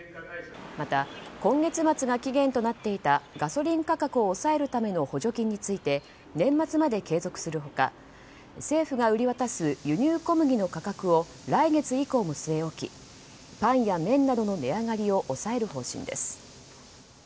また今月末が期限となっていたガソリン価格を抑えるための補助金について年末まで継続する他政府が売り渡す輸入小麦の価格を来月以降も据え置きパンや麺などの値上がりを抑える方針です。